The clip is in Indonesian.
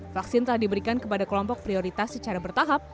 vaksin telah diberikan kepada kelompok prioritas secara bertahap